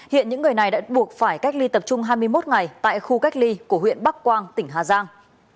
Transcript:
hiện những người này đã buộc phải cách ly tập trung hai mươi một ngày tại khu cách ly của huyện bắc quang tỉnh hà giang